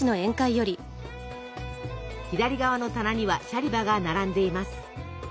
左側の棚にはシャリバが並んでいます。